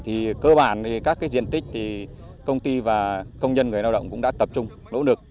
thì cơ bản thì các cái diện tích thì công ty và công nhân người lao động cũng đã tập trung lỗ lực